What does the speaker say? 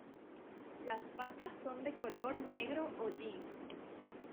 Las patas son de color negro hollín.